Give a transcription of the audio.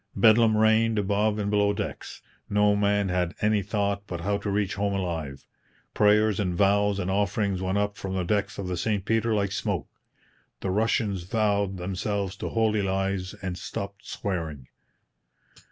Bedlam reigned above and below decks. No man had any thought but how to reach home alive. Prayers and vows and offerings went up from the decks of the St Peter like smoke. The Russians vowed themselves to holy lives and stopped swearing.